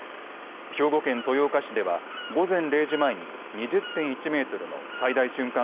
兵庫県豊岡市では午前０時までに２０．１メートルの最大瞬間